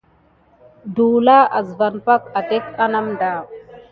Tuyiya nokum ekikucka aman tikisuk siga ɓa vi asine nesine.